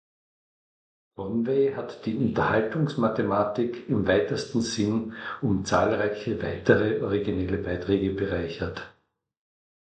Conway hat die „Unterhaltungsmathematik“ im weitesten Sinn um zahlreiche weitere originelle Beiträge bereichert.